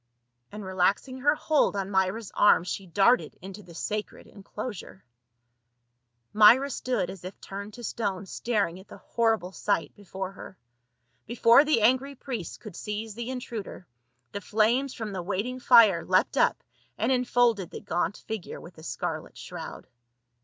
And relaxing her hold on Myra's arm she darted into the sacred enclosure. Myra stood as if turned to stone staring at the hor rible sight before her. Before the angry priests could seize the intruder, the flames from the waiting fire leapt up and enfolded the gaunt figure with a scarlet shroud.